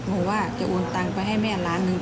บอกว่าจะโอนตังไปให้แม่ล้านหนึ่ง